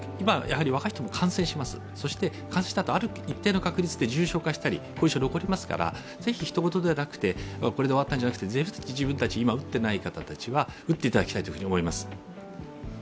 若い人も感染します、ある一定の確率で重症化したり、後遺症、残りますからぜひ、ひと事ではなくて、これで終わったんじゃなくて、ぜひまだ打ってない方は打っていただきたいと思います。